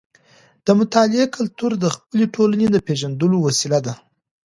د مطالعې کلتور د خپلې ټولنې د پیژندلو وسیله ده.